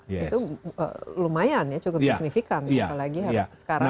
ya itu lumayan ya cukup signifikan